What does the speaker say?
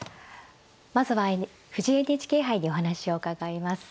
まずは藤井ＮＨＫ杯にお話を伺います。